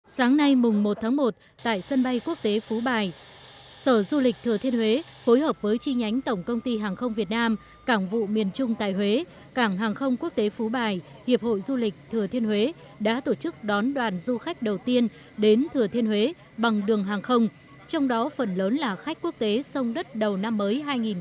sáng nay mùng một tháng một tại sân bay quốc tế phú bài sở du lịch thừa thiên huế phối hợp với chi nhánh tổng công ty hàng không việt nam cảng vụ miền trung tại huế cảng hàng không quốc tế phú bài hiệp hội du lịch thừa thiên huế đã tổ chức đón đoàn du khách đầu tiên đến thừa thiên huế bằng đường hàng không trong đó phần lớn là khách quốc tế sông đất đầu năm mới hai nghìn một mươi tám